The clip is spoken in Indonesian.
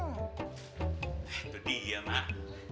itu dia mak